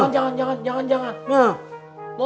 jangan jangan jangan jangan jangan